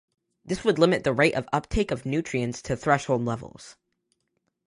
This would limit the rate of uptake of nutrients to threshold levels.